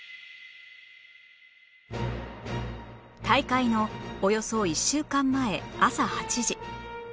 大会のおよそ１週間前朝８時